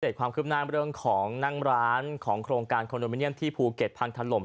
ความคืบหน้าเรื่องของนั่งร้านของโครงการคอนโดมิเนียมที่ภูเก็ตพังถล่ม